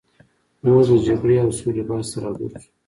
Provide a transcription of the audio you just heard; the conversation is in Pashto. اوس د جګړې او سولې بحث ته راګرځو.